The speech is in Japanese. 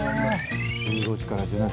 １５時から１７時。